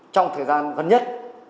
trong thời gian gần nhất